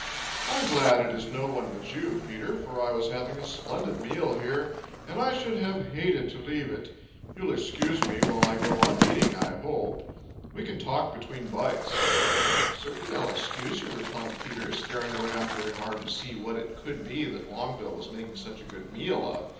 I am glad it is no one but you, Peter, for I was having a splendid meal here, and I should have hated to leave it. You'll excuse me while I go on eating, I hope. We can talk between bites." "Certainly I'll excuse you," replied Peter, staring around very hard to see what it could be Longbill was making such a good meal of.